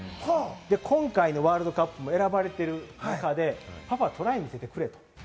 今回のワールドカップも選ばれている中で、パパ、トライ見せてくれと。